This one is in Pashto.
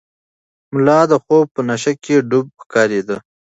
ملا د خوب په نشه کې ډوب ښکارېده.